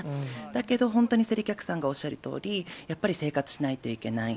だけど本当に勢理客さんがおっしゃるとおり、やっぱり生活しないといけない。